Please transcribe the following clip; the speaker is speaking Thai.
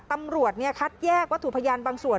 ตำรวจคัดแยกวัตถุพยานบางส่วน